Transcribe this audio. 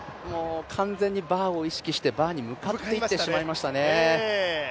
完全にバーを意識して、バーに向かっていってしまいましたね